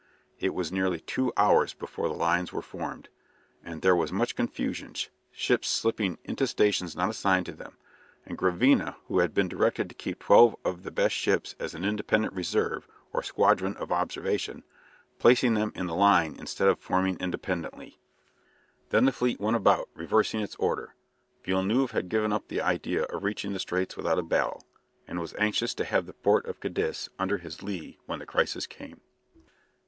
It was nearly two hours before the lines were formed, and there was much confusion, ships slipping into stations not assigned to them; and Gravina, who had been directed to keep twelve of the best ships as an independent reserve, or "squadron of observation," placing them in the line instead of forming independently. Then the fleet went about, reversing its order. Villeneuve had given up the idea of reaching the Straits without a battle, and was anxious to have the port of Cadiz under his lee when the crisis came.